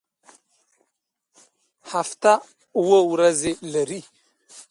هفته اووه ورځې لري